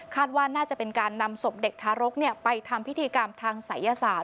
ว่าน่าจะเป็นการนำศพเด็กทารกไปทำพิธีกรรมทางศัยศาสต